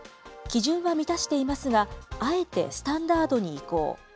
基準は満たしていますが、あえてスタンダードに移行。